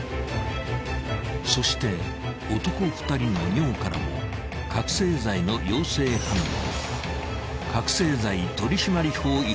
［そして男２人の尿からも覚醒剤の陽性反応］